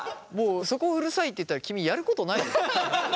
もうそこ「うるさい」って言ったら君やることないよ。